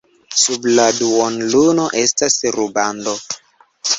Sub la duonluno estas rubando.